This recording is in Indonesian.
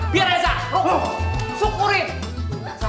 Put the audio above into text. biar saya rasa